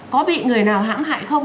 có bị người nào hãm hại không